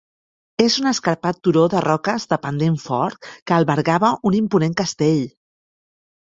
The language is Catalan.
És un escarpat turó de roques de pendent fort que albergava un imponent castell.